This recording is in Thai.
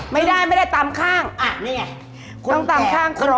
ไม่ได้ไม่ได้ตำข้างต้องตำข้างครบ